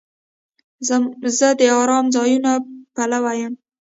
زه د آرامه ځایونو پلوی یم.